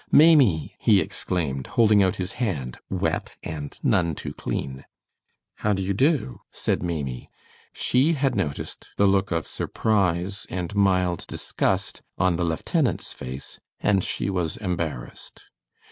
"Maimie!" he exclaimed, holding out his hand, wet and none too clean. "How do you do?" said Maimie. She had noticed the look of surprise and mild disgust on the lieutenant's face, and she was embarrassed.